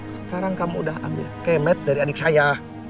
sekarang kamu udah ambil kemet dari adik saya